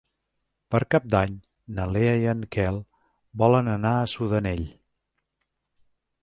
Per Cap d'Any na Lea i en Quel volen anar a Sudanell.